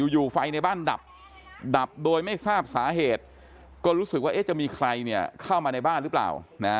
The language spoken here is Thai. อยู่ไฟในบ้านดับดับโดยไม่ทราบสาเหตุก็รู้สึกว่าจะมีใครเข้ามาในบ้านหรือเปล่า